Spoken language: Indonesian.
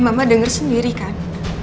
mbak mbak denger sendiri kan